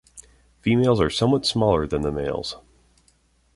Females are somewhat smaller than the males.